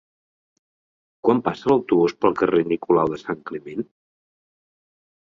Quan passa l'autobús pel carrer Nicolau de Sant Climent?